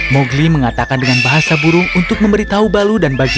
mowgli mengatakan dengan bahasa burung untuk memberitahu balu dan baju